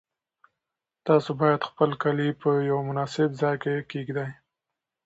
تاسو باید خپل کالي په یو مناسب ځای کې کېږدئ.